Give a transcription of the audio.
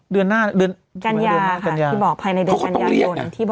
เดือนหน้ากันยาค่ะที่บอกภายในเดือนนี้